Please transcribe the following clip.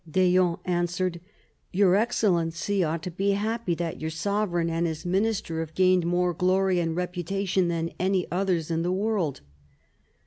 D'Eon answered: "Your excellency ought to be happy that your sovereign and his minister have gained more glory and reputation than any others in the world."